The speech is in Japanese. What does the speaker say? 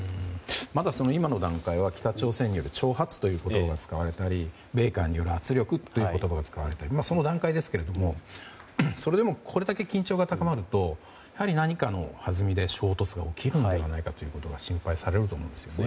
まだ今の段階は北朝鮮による挑発という言葉が使われたり米韓による圧力という言葉が使われている段階ですがそれでもこれだけ緊張が高まると何かのはずみで衝突が起きるのではないかということが心配されますね。